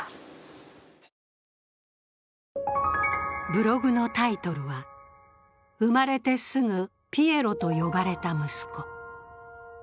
ブログのタイトルは「産まれてすぐピエロと呼ばれた息子」。